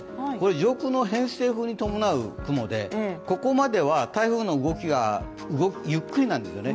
上空の偏西風に伴う雲で、ここまで台風の動きがゆっくりなんですね。